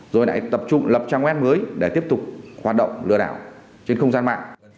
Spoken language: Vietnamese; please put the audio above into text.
rồi lại tập trung lập trang web mới để tiếp tục hoạt động lừa đảo trên không gian mạng